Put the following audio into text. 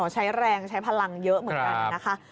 ใช้แรงใช้พลังเยอะเหมือนกันนะคะ